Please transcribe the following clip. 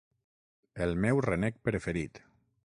El meu renec preferit